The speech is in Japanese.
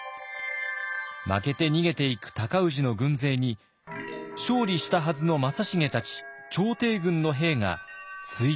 負けて逃げていく尊氏の軍勢に勝利したはずの正成たち朝廷軍の兵がついて行くのです。